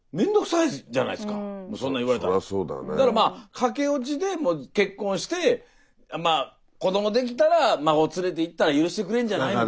駆け落ちで結婚して子供できたら孫連れて行ったら許してくれるんじゃないと。